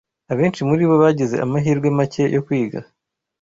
Abenshi muri bo bagize amahirwe make yo kwiga